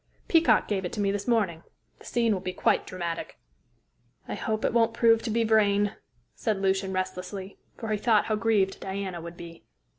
Peacock gave it to me this morning. The scene will be quite dramatic." "I hope it won't prove to be Vrain," said Lucian restlessly, for he thought how grieved Diana would be.